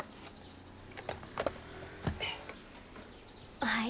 おはよう。